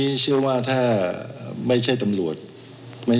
แต่เจ้าตัวก็ไม่ได้รับในส่วนนั้นหรอกนะครับ